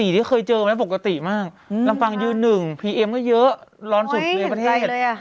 ที่เคยเจอไหมปกติมากลำปางยืนหนึ่งพีเอ็มก็เยอะร้อนสุดในประเทศ